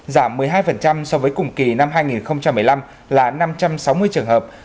giảm một mươi hai so với cùng kỳ năm hai nghìn một mươi năm là năm trăm sáu mươi trường hợp